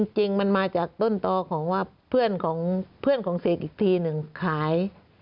จริงมันมาจากต้นตอของเพื่อนของเสกอีกทีหนึ่งขาย